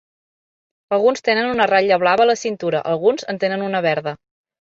Alguns tenen una ratlla blava a la cintura, alguns en tenen una verda.